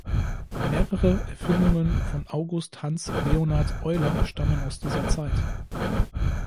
Mehrere Erfindungen von August Hanns Leonhard Euler stammen aus dieser Zeit.